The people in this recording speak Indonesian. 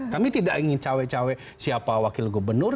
kami tidak ingin cawe cawe siapa wakil gubernur